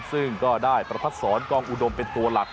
ซึ่งก็ได้ประพัดศรกองอุดมเป็นตัวหลัก